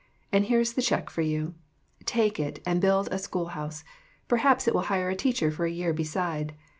And here is the check for you. Take it and build a school house ; perhaps it will hire a teacher for a year beside.